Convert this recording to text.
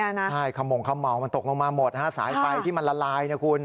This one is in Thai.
ใช่ขมงเขม่ามันตกลงมาหมดฮะสายไฟที่มันละลายนะคุณ